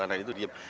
anak itu diep